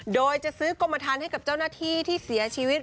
โดยจะซื้อกรมฐานให้กับเจ้าหน้าที่ที่เสียชีวิต